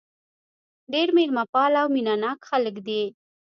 ډېر مېلمه پاله او مینه ناک خلک دي.